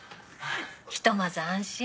ひとまず安心。